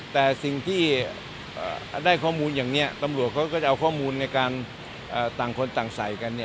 แต่สิ่งที่ได้ข้อมูลอย่างนี้ตำรวจเขาก็จะเอาข้อมูลในการต่างคนต่างใส่กัน